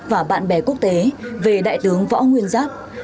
và bạn bè quốc tế về đại tướng võ nguyên giáp